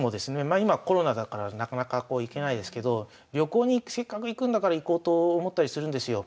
今コロナだからなかなかこう行けないですけど旅行にせっかく行くんだから行こうと思ったりするんですよ。